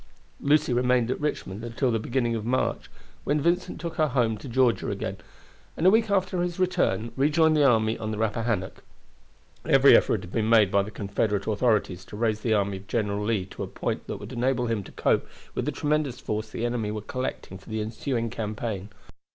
Lucy remained at Richmond until the beginning of March, when Vincent took her home to Georgia again, and a week after his return rejoined the army on the Rappahannock. Every effort had been made by the Confederate authorities to raise the army of General Lee to a point that would enable him to cope with the tremendous force the enemy were collecting for the ensuing campaign.